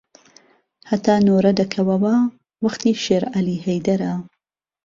هەتا نۆرە دەکەوەوە وەختی شێرعەلی هەیدەرە